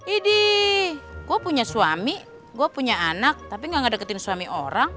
idih gue punya suami gue punya anak tapi nggak deketin suami orang